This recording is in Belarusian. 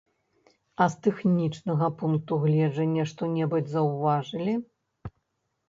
А з тэхнічнага пункту гледжання што-небудзь заўважылі?